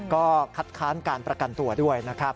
ก็คัดค้านการประกันตัวด้วยนะครับ